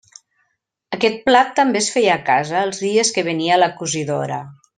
Aquest plat també es feia a casa els dies que venia la cosidora.